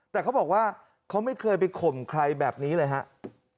แต่เขาบอกว่าเขาไม่เคยไปข่มใครแบบนี้เลยครับ